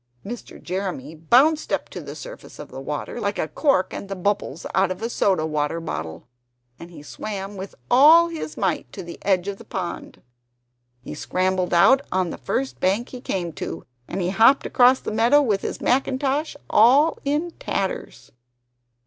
Mr. Jeremy bounced up to the surface of the water, like a cork and the bubbles out of a soda water bottle; and he swam with all his might to the edge of the pond. He scrambled out on the first bank he came to, and he hopped home across the meadow with his mackintosh all in tatters.